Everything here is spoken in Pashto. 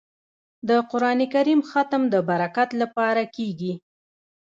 د قران کریم ختم د برکت لپاره کیږي.